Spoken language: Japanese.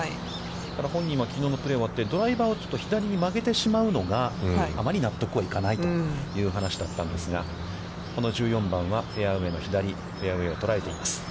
本人はきょうのプレーが終わって、ドライバーを左に巻けてしまうのであまり納得はいかないという話だったんですが、この１４番はフェアウェイの左、フェアウェイを捉えています。